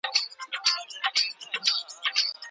ډاکټران چيري روزل کیږي؟